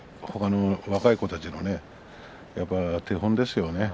若い子たちの手本ですよね。